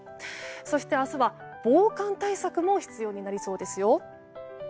そして明日は防寒対策も必要になりそうですよ。